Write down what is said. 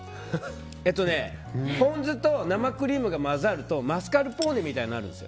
ポン酢と生クリームが混ざるとマスカルポーネみたいになるんですよ。